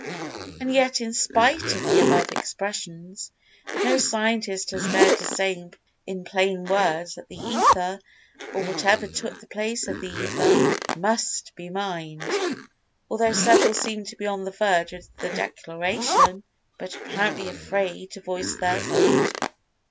And yet, in spite of the above expressions, no Scientist has dared to say in plain words that the Ether, or whatever took the place of the Ether, must be Mind, although several seem to be on the verge of the declaration, but apparently afraid to voice their thought.